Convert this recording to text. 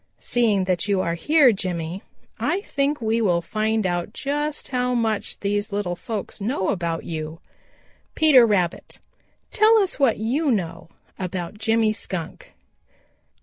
Seeing that you are here, Jimmy, I think we will find out just how much these little folks know about you. "Peter Rabbit, tell us what you know about Jimmy Skunk."